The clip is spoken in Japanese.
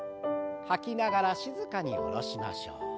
吐きながら静かに下ろしましょう。